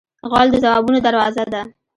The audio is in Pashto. غول د ځوابونو دروازه ده.